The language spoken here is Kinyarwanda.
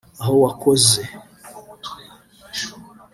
aho wakoze